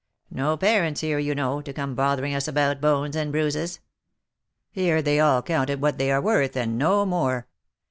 No parents here you know, to come bothering us about 182 THE LIFE AND ADVENTURES bones and bruises. Here they all count at what they are worth, and no more.